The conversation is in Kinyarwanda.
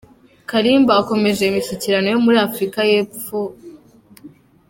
Kalimba akomeje imishyikirano yo muri Afurika y’Epfo